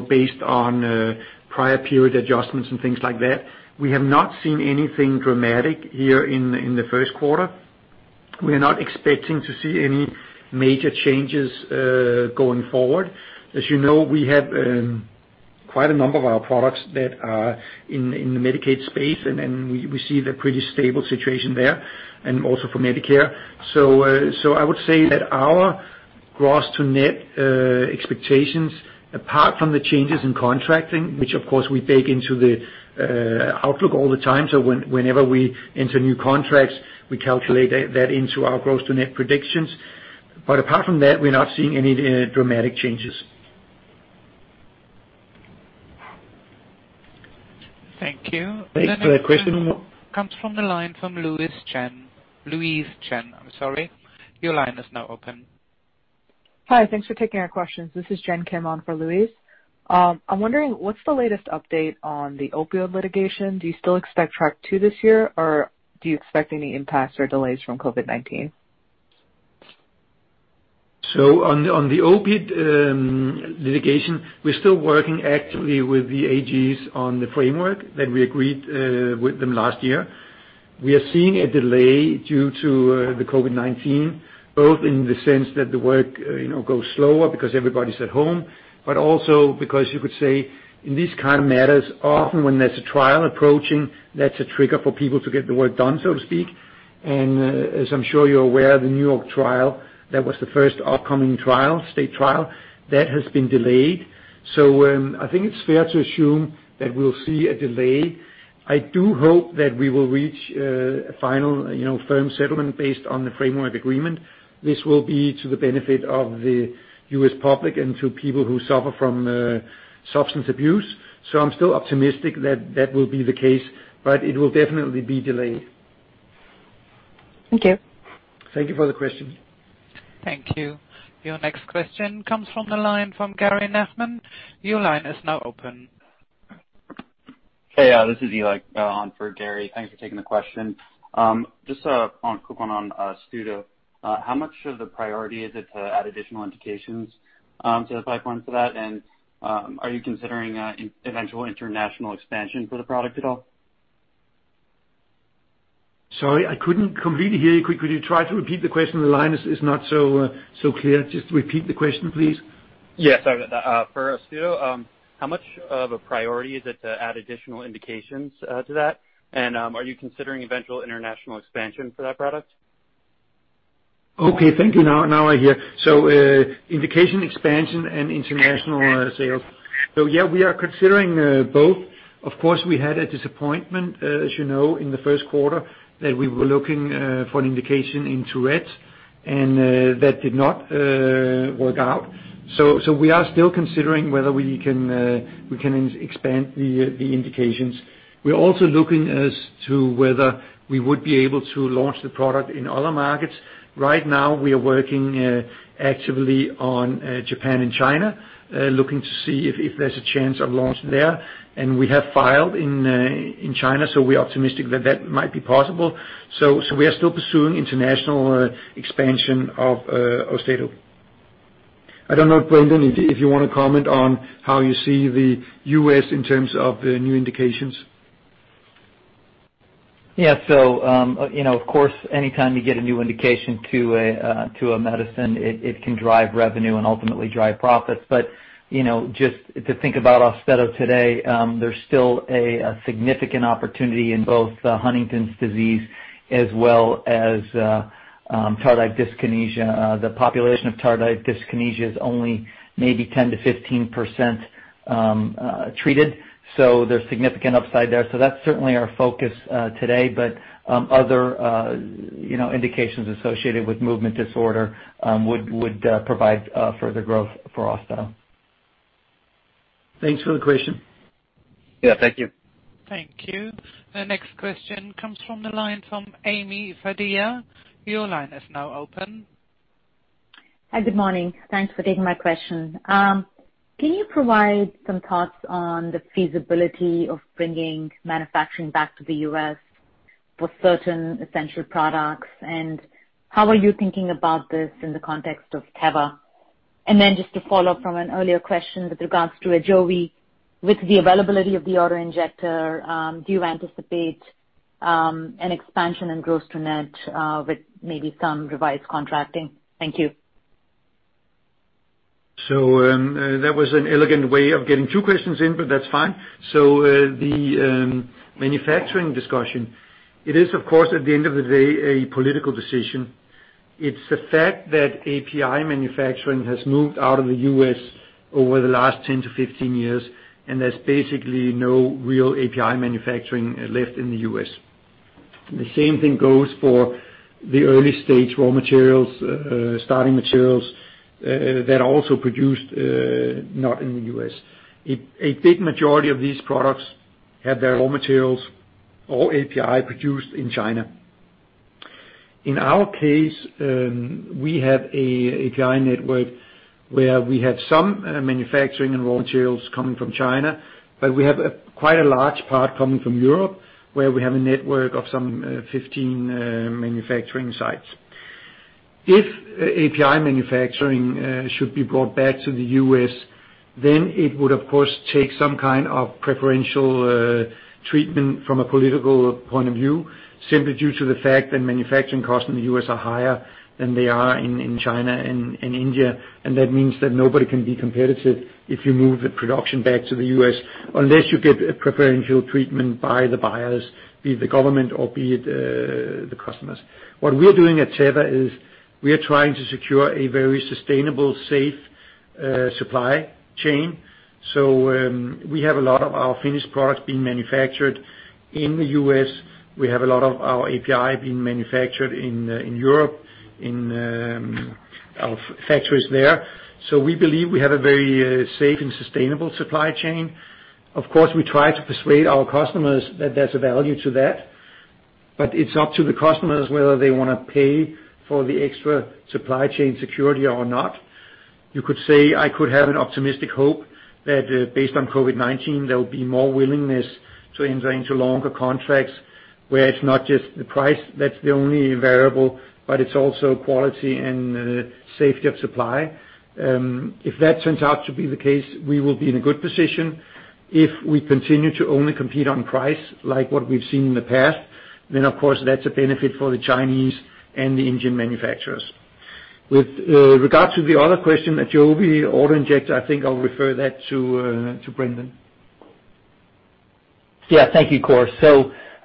based on prior period adjustments and things like that. We have not seen anything dramatic here in the first quarter. We are not expecting to see any major changes going forward. As you know, quite a number of our products that are in the Medicaid space, and we see the pretty stable situation there and also for Medicare. I would say that our gross to net expectations, apart from the changes in contracting, which of course, we bake into the outlook all the time. Whenever we enter new contracts, we calculate that into our gross to net predictions. Apart from that, we're not seeing any dramatic changes. Thank you. Thanks for the question. The next question comes from the line from Louise Chen. Your line is now open. Hi. Thanks for taking our questions. This is Jen Kim on for Louise. I'm wondering what's the latest update on the opioid litigation. Do you still expect track two this year, or do you expect any impacts or delays from COVID-19? On the opioid litigation, we're still working actively with the AGs on the framework that we agreed with them last year. We are seeing a delay due to the COVID-19, both in the sense that the work goes slower because everybody's at home, but also because you could say in these kind of matters, often when there's a trial approaching, that's a trigger for people to get the work done, so to speak. As I'm sure you're aware, the New York trial, that was the first upcoming state trial, that has been delayed. I think it's fair to assume that we'll see a delay. I do hope that we will reach a final, firm settlement based on the framework agreement. This will be to the benefit of the U.S. public and to people who suffer from substance abuse. I'm still optimistic that that will be the case, but it will definitely be delayed. Thank you. Thank you for the question. Thank you. Your next question comes from the line from Gary Nachman. Your line is now open. Hey, this is Eli on for Gary. Thanks for taking the question. Just quick one on AUSTEDO. How much of the priority is it to add additional indications to the pipeline for that? Are you considering eventual international expansion for the product at all? Sorry, I couldn't completely hear you. Could you try to repeat the question? The line is not so clear. Just repeat the question, please. Yeah, sorry about that. For AUSTEDO, how much of a priority is it to add additional indications to that? Are you considering eventual international expansion for that product? Okay, thank you. Now I hear. Indication expansion and international sales. We are considering both. Of course, we had a disappointment, as you know, in the first quarter that we were looking for an indication in Tourette's, and that did not work out. We are still considering whether we can expand the indications. We are also looking as to whether we would be able to launch the product in other markets. Right now we are working actively on Japan and China, looking to see if there's a chance of launching there. We have filed in China, so we're optimistic that that might be possible. We are still pursuing international expansion of AUSTEDO. I don't know if, Brendan, if you want to comment on how you see the U.S. in terms of new indications. Of course, anytime you get a new indication to a medicine, it can drive revenue and ultimately drive profits. Just to think about AUSTEDO today, there's still a significant opportunity in both Huntington's disease as well as Tardive dyskinesia. The population of tardive dyskinesia is only maybe 10%-15% treated, there's significant upside there. That's certainly our focus today. Other indications associated with movement disorder would provide further growth for AUSTEDO. Thanks for the question. Yeah, thank you. Thank you. The next question comes from the line from Ami Fadia. Your line is now open. Hi, good morning. Thanks for taking my question. Can you provide some thoughts on the feasibility of bringing manufacturing back to the U.S. for certain essential products, and how are you thinking about this in the context of Teva? Just to follow up from an earlier question with regards to AJOVY, with the availability of the auto-injector, do you anticipate an expansion in gross to net with maybe some revised contracting? Thank you. That was an elegant way of getting two questions in, but that's fine. The manufacturing discussion. It is, of course, at the end of the day, a political decision. It's the fact that API manufacturing has moved out of the U.S. over the last 10-15 years, and there's basically no real API manufacturing left in the U.S. The same thing goes for the early-stage raw materials, starting materials, that are also produced not in the U.S. A big majority of these products have their raw materials or API produced in China. In our case, we have API network where we have some manufacturing and raw materials coming from China, but we have quite a large part coming from Europe where we have a network of some 15 manufacturing sites. If API manufacturing should be brought back to the U.S., it would, of course, take some kind of preferential treatment from a political point of view, simply due to the fact that manufacturing costs in the U.S. are higher than they are in China and in India. That means that nobody can be competitive if you move the production back to the U.S., unless you get a preferential treatment by the buyers, be it the government or be it the customers. What we're doing at Teva is we are trying to secure a very sustainable, safe supply chain. We have a lot of our finished products being manufactured in the U.S. We have a lot of our API being manufactured in Europe, in our factories there. We believe we have a very safe and sustainable supply chain. Of course, we try to persuade our customers that there's a value to that, but it's up to the customers whether they want to pay for the extra supply chain security or not. You could say I could have an optimistic hope that based on COVID-19, there will be more willingness to enter into longer contracts where it's not just the price that's the only variable, but it's also quality and safety of supply. If that turns out to be the case, we will be in a good position. If we continue to only compete on price, like what we've seen in the past, then of course that's a benefit for the Chinese and the Indian manufacturers. With regard to the other question, AJOVY auto injector, I think I'll refer that to Brendan. Thank you,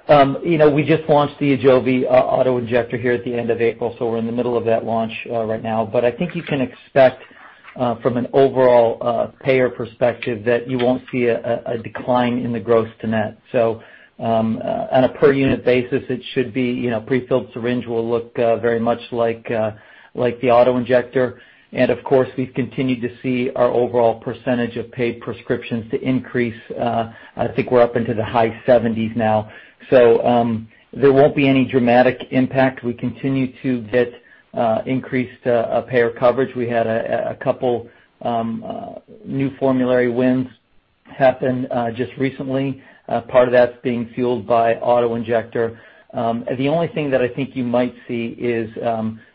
Kåre. We just launched the AJOVY auto injector here at the end of April. We're in the middle of that launch right now. I think you can expect from an overall payer perspective that you won't see a decline in the gross to net. On a per unit basis, it should be prefilled syringe will look very much like the auto injector. Of course, we've continued to see our overall % of paid prescriptions to increase. I think we're up into the high 70s now. There won't be any dramatic impact. We continue to get increased payer coverage. We had a couple new formulary wins happen just recently. Part of that's being fueled by auto injector. The only thing that I think you might see is,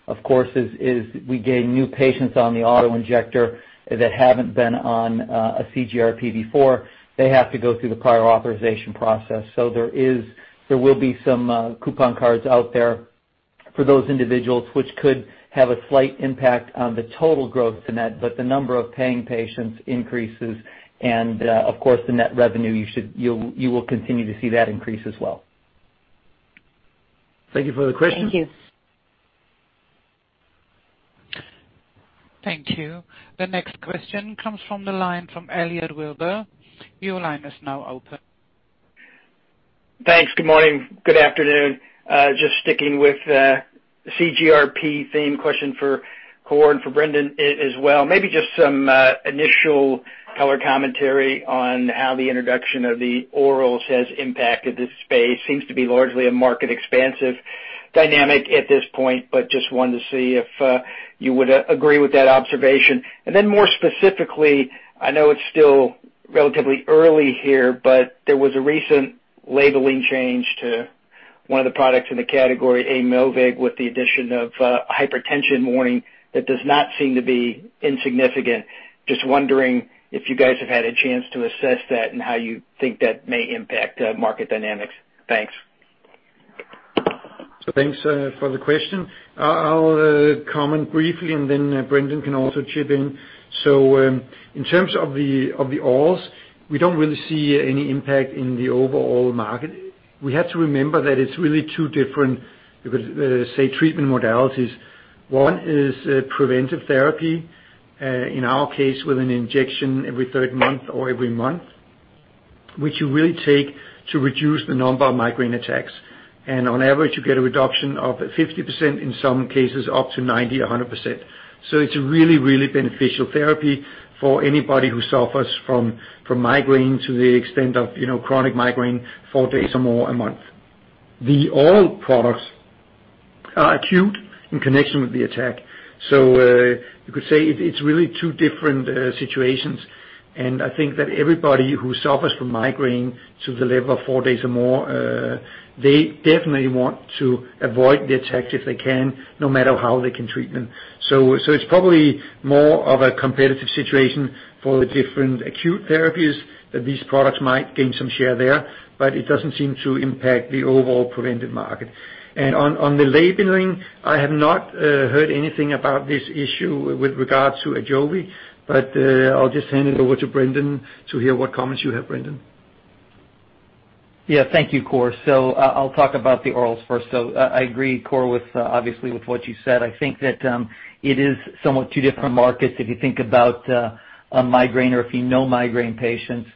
of course, is we gain new patients on the auto injector that haven't been on a CGRP before, they have to go through the prior authorization process. There will be some coupon cards out there for those individuals, which could have a slight impact on the total gross to net, but the number of paying patients increases, and, of course, the net revenue, you will continue to see that increase as well. Thank you for the question. Thank you. Thank you. The next question comes from the line from Elliot Wilbur. Your line is now open. Thanks. Good morning. Good afternoon. Just sticking with the CGRP theme question for Kåre and for Brendan as well. Maybe just some initial color commentary on how the introduction of the orals has impacted this space. Seems to be largely a market expansive dynamic at this point, but just wanted to see if you would agree with that observation. More specifically, I know it's still relatively early here, but there was a recent labeling change to one of the products in the category, Aimovig, with the addition of hypertension warning that does not seem to be insignificant. Just wondering if you guys have had a chance to assess that and how you think that may impact market dynamics. Thanks. Thanks for the question. I'll comment briefly and then Brendan can also chip in. In terms of the orals, we don't really see any impact in the overall market. We have to remember that it's really two different, you could say, treatment modalities. One is preventive therapy, in our case, with an injection every third month or every month, which you really take to reduce the number of migraine attacks. On average, you get a reduction of 50%, in some cases, up to 90%-100%. It's a really beneficial therapy for anybody who suffers from migraine to the extent of chronic migraine four days or more a month. The oral products are acute in connection with the attack. You could say it's really two different situations. I think that everybody who suffers from migraine to the level of four days or more, they definitely want to avoid the attack if they can, no matter how they can treat them. It's probably more of a competitive situation for the different acute therapies that these products might gain some share there, but it doesn't seem to impact the overall preventive market. On the labeling, I have not heard anything about this issue with regards to AJOVY, but I'll just hand it over to Brendan to hear what comments you have, Brendan. Yeah. Thank you, Kåre. I'll talk about the orals first. I agree, Kåre, obviously, with what you said. I think that it is somewhat two different markets if you think about a migraine or if you know migraine patients.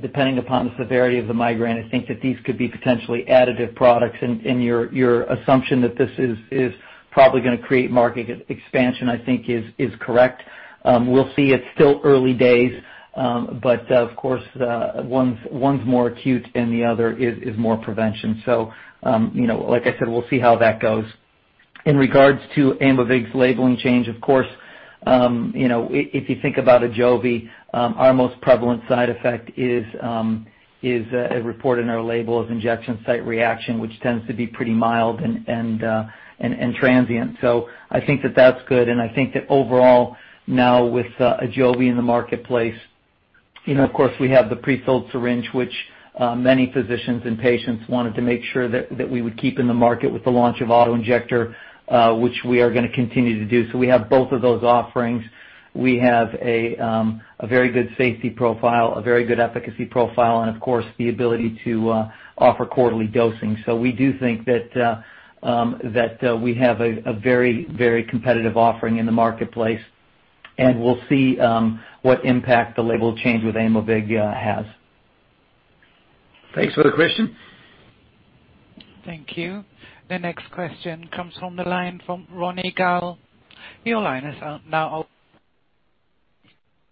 Depending upon the severity of the migraine, I think that these could be potentially additive products and your assumption that this is probably going to create market expansion, I think is correct. We'll see. It's still early days. Of course, one's more acute and the other is more prevention. Like I said, we'll see how that goes. In regards to Aimovig's labeling change, of course. If you think about AJOVY, our most prevalent side effect is reported in our label of injection site reaction, which tends to be pretty mild and transient. I think that that's good, and I think that overall now with AJOVY in the marketplace, of course, we have the prefilled syringe, which many physicians and patients wanted to make sure that we would keep in the market with the launch of auto-injector, which we are going to continue to do. We have both of those offerings. We have a very good safety profile, a very good efficacy profile, and of course, the ability to offer quarterly dosing. We do think that we have a very competitive offering in the marketplace, and we'll see what impact the label change with Aimovig has. Thanks for the question. Thank you. The next question comes from the line from Ronny Gal. Your line is now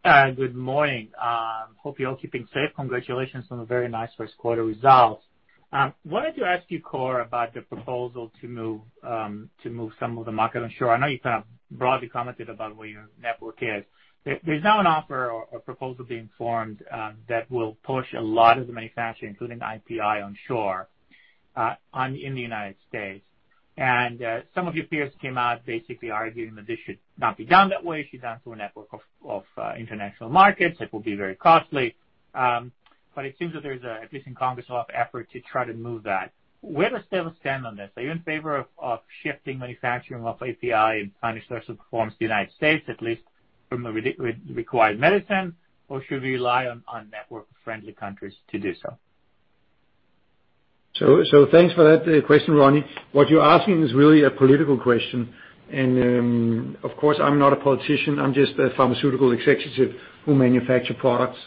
open. Good morning. Hope you're all keeping safe. Congratulations on the very nice first quarter results. Wanted to ask you, Kåre, about the proposal to move some of the market onshore. I know you've kind of broadly commented about where your network is. There's now an offer or a proposal being formed that will push a lot of the manufacturing, including API, onshore in the United States. Some of your peers came out basically arguing that this should not be done that way, it should be done through a network of international markets. It will be very costly. It seems that there's, at least in Congress, a lot of effort to try to move that. Where does Teva stand on this? Are you in favor of shifting manufacturing of API and finished dose performance to the U.S., at least from a required medicine, or should we rely on network of friendly countries to do so? Thanks for that question, Ronny. What you're asking is really a political question. Of course, I'm not a politician, I'm just a pharmaceutical executive who manufacture products.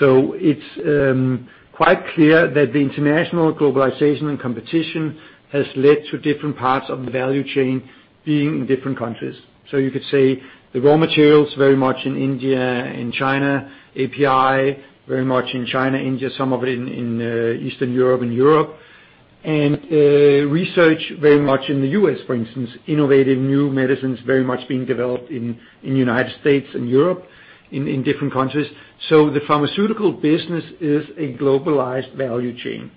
It's quite clear that the international globalization and competition has led to different parts of the value chain being in different countries. You could say the raw materials very much in India and China, API very much in China, India, some of it in Eastern Europe and Europe. Research very much in the U.S., for instance, innovative new medicines very much being developed in the United States and Europe, in different countries. The pharmaceutical business is a globalized value chain.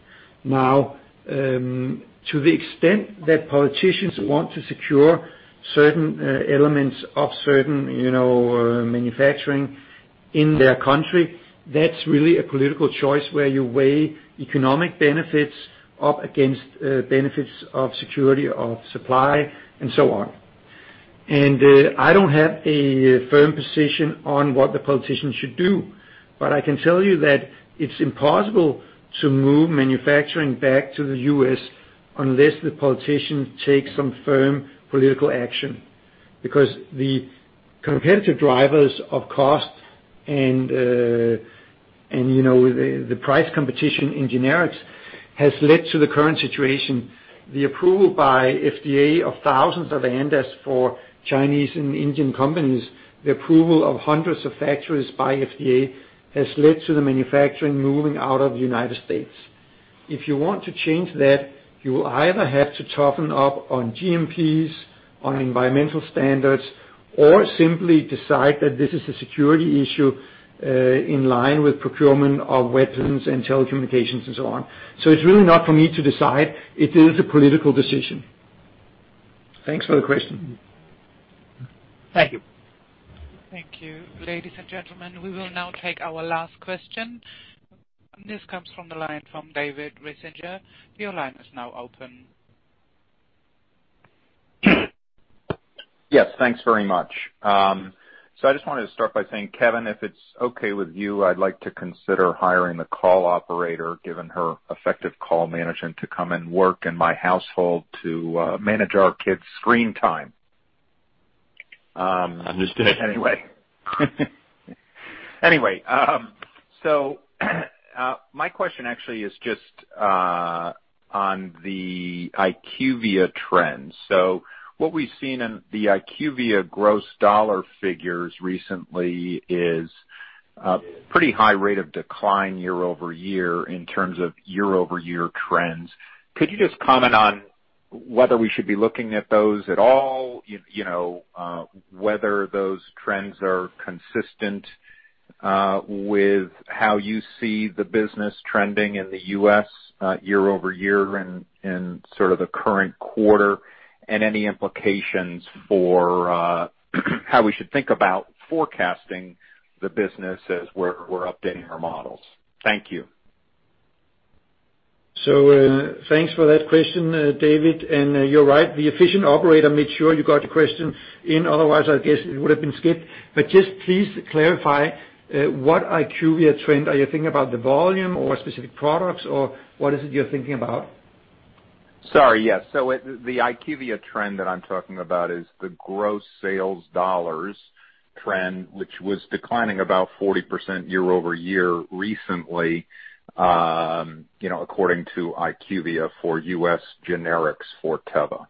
To the extent that politicians want to secure certain elements of certain manufacturing in their country, that's really a political choice where you weigh economic benefits up against benefits of security, of supply, and so on. I don't have a firm position on what the politicians should do. I can tell you that it's impossible to move manufacturing back to the U.S. unless the politicians take some firm political action. The competitive drivers of cost and the price competition in generics has led to the current situation. The approval by FDA of thousands of ANDAs for Chinese and Indian companies, the approval of hundreds of factories by FDA has led to the manufacturing moving out of the United States. If you want to change that, you will either have to toughen up on GMPs, on environmental standards, or simply decide that this is a security issue in line with procurement of weapons and telecommunications and so on. It's really not for me to decide. It is a political decision. Thanks for the question. Thank you. Thank you. Ladies and gentlemen, we will now take our last question. This comes from the line from David Risinger. Your line is now open. Yes, thanks very much. I just wanted to start by saying, Kevin, if it's okay with you, I'd like to consider hiring the call operator, given her effective call management to come and work in my household to manage our kids' screen time. Understood. Anyway. My question actually is just on the IQVIA trends. What we've seen in the IQVIA gross dollar figures recently is a pretty high rate of decline year-over-year in terms of year-over-year trends. Could you just comment on whether we should be looking at those at all? Whether those trends are consistent with how you see the business trending in the U.S. year-over-year and sort of the current quarter, and any implications for how we should think about forecasting the business as we're updating our models. Thank you. Thanks for that question, David. You're right, the efficient operator made sure you got your question in, otherwise, I guess it would have been skipped. Just please clarify what IQVIA trend are you thinking about the volume or specific products or what is it you're thinking about? Sorry, yes. The IQVIA trend that I'm talking about is the gross sales dollars trend, which was declining about 40% year-over-year recently according to IQVIA for U.S. generics for Teva.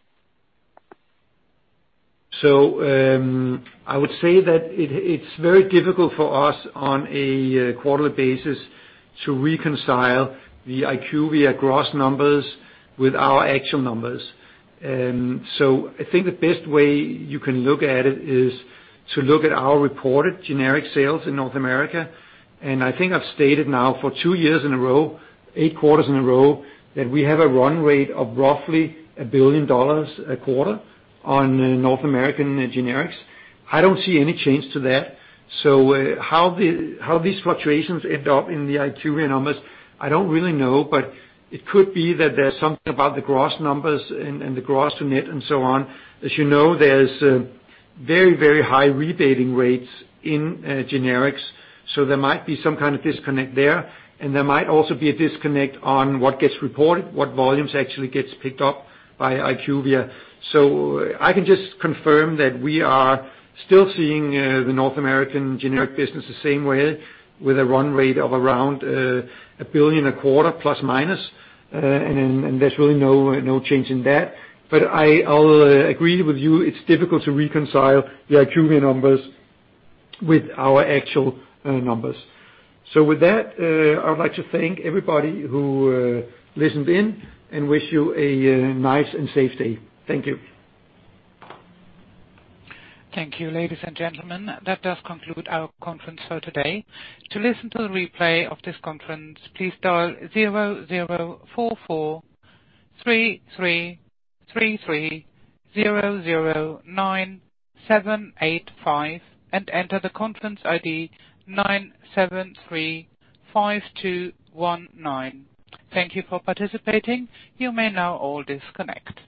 I would say that it's very difficult for us on a quarterly basis to reconcile the IQVIA gross numbers with our actual numbers. I think the best way you can look at it is to look at our reported generic sales in North America. I think I've stated now for two years in a row, eight quarters in a row, that we have a run rate of roughly $1 billion a quarter on North American generics. I don't see any change to that. How these fluctuations end up in the IQVIA numbers, I don't really know, but it could be that there's something about the gross numbers and the gross to net and so on. As you know, there's very high rebating rates in generics, there might be some kind of disconnect there, and there might also be a disconnect on what gets reported, what volumes actually gets picked up by IQVIA. I can just confirm that we are still seeing the North American generic business the same way with a run rate of around $1 billion a quarter plus minus, and there's really no change in that. I'll agree with you, it's difficult to reconcile the IQVIA numbers with our actual numbers. With that, I would like to thank everybody who listened in and wish you a nice and safe day. Thank you. Thank you. Ladies and gentlemen, that does conclude our conference for today. To listen to the replay of this conference, please dial 00443333009785 and enter the conference ID 9735219. Thank you for participating. You may now all disconnect.